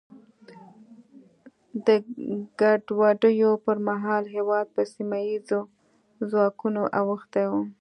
د ګډوډیو پر مهال هېواد په سیمه ییزو ځواکونو اوښتی و.